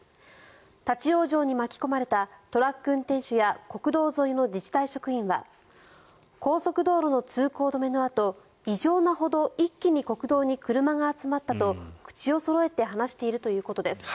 立ち往生に巻き込まれたトラック運転手や国道沿いの自治体職員は高速道路の通行止めのあと異常なほど一気に国道に車が集まったと口をそろえて話しているということです。